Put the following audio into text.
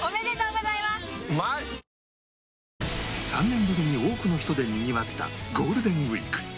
３年ぶりに多くの人でにぎわったゴールデンウィーク